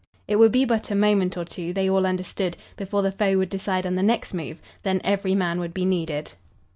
It would be but a moment or two, they all understood, before the foe would decide on the next move; then every man would be needed.